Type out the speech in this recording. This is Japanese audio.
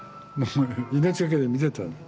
命懸けで見てたの。